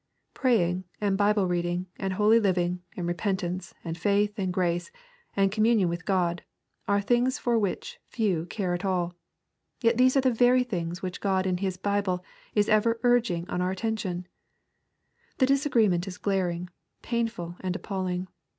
Pray ing, and Bibie reading, and holy living, and repentance, and faith, and grace, and communion with God, are things for which few care at all. Yet these are the very things which God in His Bible is ever urging on our at tention !— The disagreement is glaring, painful, and appalling.